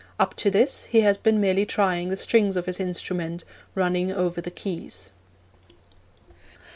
Up to this he has been merely trying the strings of his instrument, running over the keys.